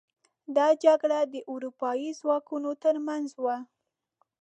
دا جګړه د اروپايي ځواکونو تر منځ وه.